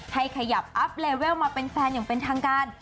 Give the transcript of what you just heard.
ขยับอัพเลเวลมาเป็นแฟนอย่างเป็นทางการ